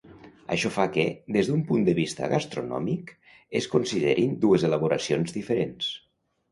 Això fa que, des d’un punt de vista gastronòmic, es considerin dues elaboracions diferents.